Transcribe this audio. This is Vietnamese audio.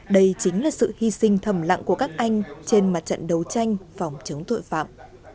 đây chính là sự hy sinh thầm lặng của các anh trên mặt trận đấu tranh phòng chống tội phạm